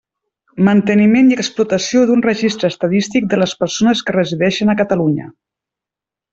Manteniment i explotació d'un registre estadístic de les persones que resideixen a Catalunya.